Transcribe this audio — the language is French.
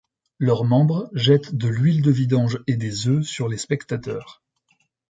Leurs membres jettent de l'huile de vidange et des œufs sur les spectateurs.